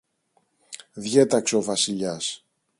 διέταξε ο Βασιλιάς